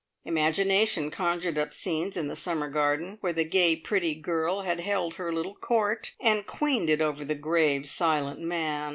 Imagination conjured up scenes in the summer garden where the gay pretty girl had held her little court, and queened it over the grave, silent man.